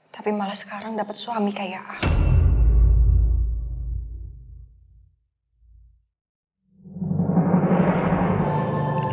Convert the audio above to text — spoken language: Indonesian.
tapi malah sekarang dapat suami kayak ah